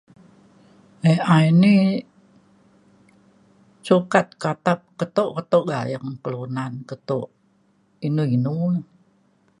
AI ni sukat katap keto keto gayeng kelunan keto inu inu